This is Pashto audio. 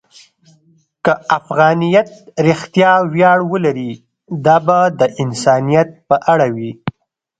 که افغانیت رښتیا ویاړ ولري، دا به د انسانیت په اړه وي.